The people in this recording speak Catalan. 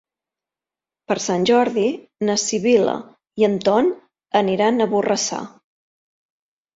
Per Sant Jordi na Sibil·la i en Ton aniran a Borrassà.